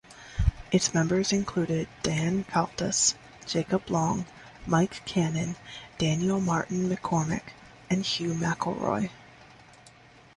Its members included Dan Caldas, Jacob Long, Mike Kanin, Daniel Martin-McCormick and Hugh McElroy.